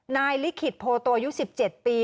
นายลิขิตโพโตยุ๑๗ปี